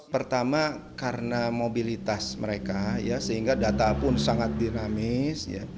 pertama karena mobilitas mereka sehingga data pun sangat dinamis